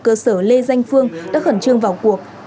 cơ sở lê danh phương đã khẩn trương vào cuộc